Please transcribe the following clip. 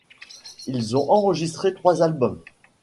Ils ont enregistré trois albums.